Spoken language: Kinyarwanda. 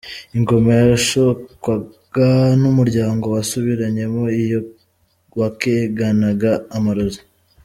Ingoma yashokwaga n’umuryango wasubiranyemo iyo wakekanaga amarozi.